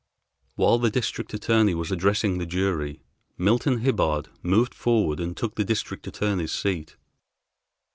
While the District Attorney was addressing the jury, Milton Hibbard moved forward and took the District Attorney's seat.